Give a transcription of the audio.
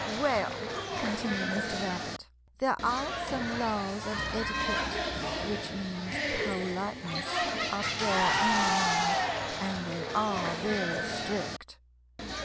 "Well," continued Mr. Rabbit, "there are some laws of etiquette which means politeness up there in the Moon, and they are very strict.